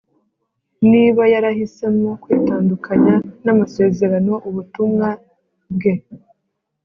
niba yarahisemo kwitandukanya n’amasezerano ubutumwa bwe